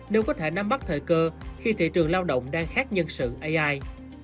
nếu có thể nắm bắt thời cơ khi thị trường lao động đang khác nhân sự ai